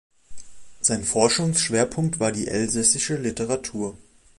Sein Forschungsschwerpunkt war die elsässische Literatur.